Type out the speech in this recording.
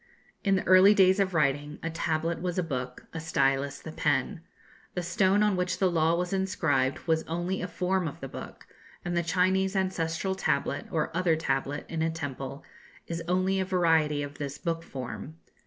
In the early days of writing, a tablet was a book, a stylus the pen. The stone on which the law was inscribed was only a form of the book, and the Chinese ancestral tablet, or other tablet, in a temple, is only a variety of this book form.